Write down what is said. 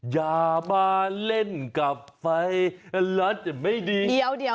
อย่ามาเล่นกับไฟแล้วจะไม่ดี